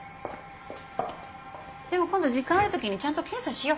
でも今度時間あるときにちゃんと検査しよ。